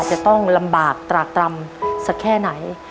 จะต้องลำบากตรากตรำสักแค่ไหน